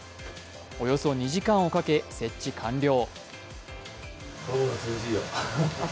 およそ２時間をかけ、設置完了。